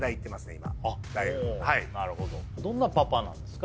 今大学はいどんなパパなんですか？